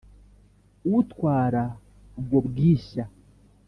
Utwara ubwo Bwishya :